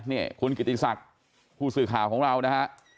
นี่คุณกิติศักดิ์ผู้สื่อข่าวของเรานะฮะ